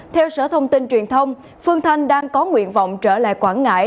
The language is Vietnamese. theo sở thông tin truyền thông phương thanh đang có nguyện vọng trở lại quảng ngãi